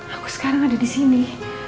aku sekarang ada disini